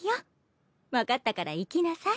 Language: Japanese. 分かったから行きなさい。